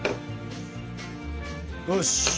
よし！